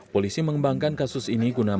polisi mengembangkan kasus ini guna mengunggahnya